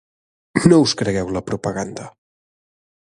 No us cregueu la propaganda!